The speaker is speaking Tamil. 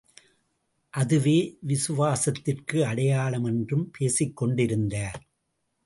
அதுவே விசுவாசத்திற்கு அடையாளம் என்றும் பேசிக்கொண்டிருந்தார்.